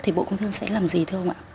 thì bộ công thương sẽ làm gì thưa ông ạ